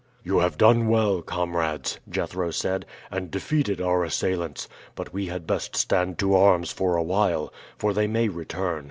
"You have done well comrades," Jethro said, "and defeated our assailants; but we had best stand to arms for awhile, for they may return.